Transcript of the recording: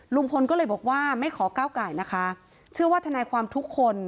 ลุงพลก็เลยบอกว่าไม่ขอก้าวไก่นะคะเชื่อว่าทนายความทุกคน